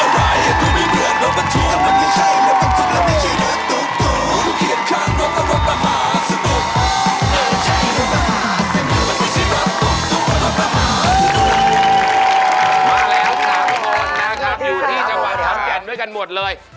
มาแล้ว๓คนนะครับอยู่ที่จังหวัดขอนแก่นด้วยกันหมดเลย